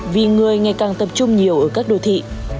vì người ngày càng tập trung nhiều ở các đô thị